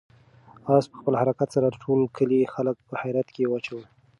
آس په خپل حرکت سره د ټول کلي خلک په حیرت کې واچول.